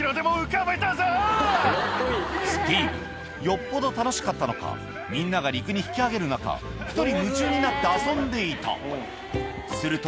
スティーブン、よっぽど楽しかったのか、みんなが陸に引き揚げる中、一人、夢中になって遊んでいた。